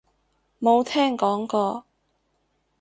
冇聽講過